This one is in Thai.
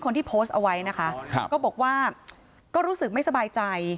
คนที่โพสต์เอาไว้นะคะครับก็บอกว่าก็รู้สึกไม่สบายใจ